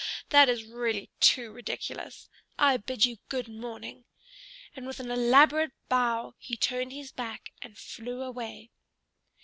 That is really too ridiculous! I bid you good morning." And with an elaborate bow he turned his back and flew away.